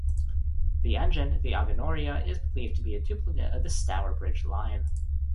This engine, the "Agenoria", is believed to be a duplicate of the "Stourbridge Lion".